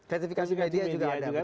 sertifikasi media juga ada betul betul